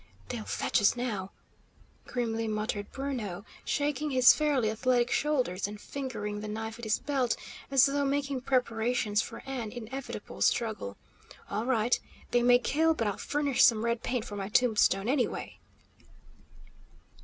"They'll fetch us now," grimly muttered Bruno, shaking his fairly athletic shoulders and fingering the knife at his belt as though making preparations for an inevitable struggle. "All right. They may kill, but I'll furnish some red paint for my tombstone, anyway!"